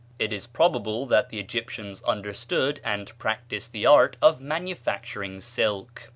It is probable that the Egyptians understood and practised the art of manufacturing silk.